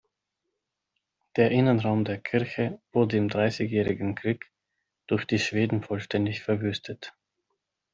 Der Innenraum der Kirche wurde im Dreißigjährigen Krieg durch die Schweden vollständig verwüstet.